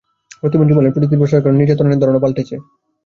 প্রতিমন্ত্রী বলেন, প্রযুক্তির প্রসারের কারণে নির্যাতনের ধরনও পাল্টেছে।